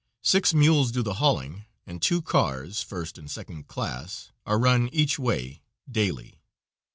Six mules do the hauling, and two cars first and second class are run each way daily.